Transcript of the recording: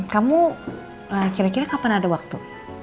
kamu kira kira kapan ada waktu